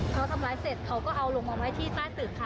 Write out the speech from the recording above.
เขาทำร้ายเสร็จเขาก็เอาลงมาไว้ที่ใต้ตึกค่ะ